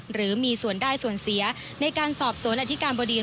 หรือมีส่วนได้ส่วนเสียในการสอบสวนอธิการบดี